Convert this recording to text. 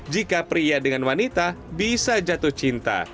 jika pria dengan wanita bisa jatuh cinta